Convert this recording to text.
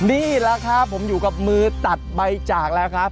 นี่แหละครับผมอยู่กับมือตัดใบจากแล้วครับ